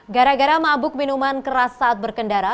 gara gara mabuk minuman keras saat berkendara